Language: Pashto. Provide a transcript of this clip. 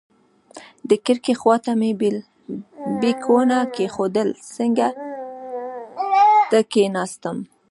د کړکۍ خواته مې بیکونه کېښودل، څنګ ته کېناستم.